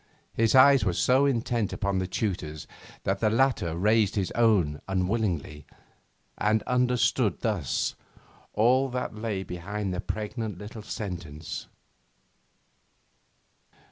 His eyes were so intent upon the tutor's that the latter raised his own unwillingly, and understood thus all that lay behind the pregnant little sentence.